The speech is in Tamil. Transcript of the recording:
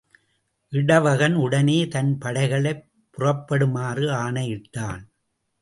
இடவகன் உடனே தன் படைகளைப் புறப்படுமாறு ஆணையிட்டான்.